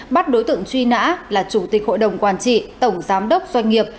bắt đối tượng truy nã là chủ tịch hội đồng quản trị tổng giám đốc doanh nghiệp